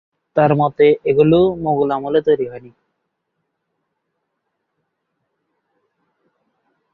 তার মতে, এগুলো মোগল আমলে তৈরি হয়নি।